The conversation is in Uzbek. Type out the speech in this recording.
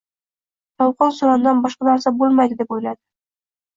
Shovqin-surondan boshqa narsa bo'lmaydi deb o'yladi.